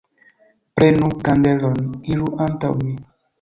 Prenu kandelon, iru antaŭ mi!